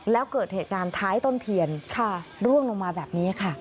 แล้วเกิดเหตุการณ์ท้ายต้นเทียนร่วงลงมาแบบนี้ค่ะ